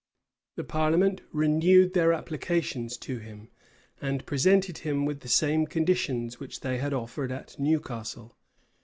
The parliament renewed their applications to him, and presented him with the same conditions which they had offered at Newcastle.